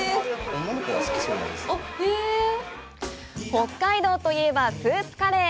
北海道といえば、スープカレー。